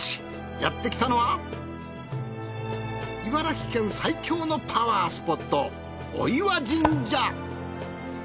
やって来たのは茨城県最強のパワースポット御岩神社。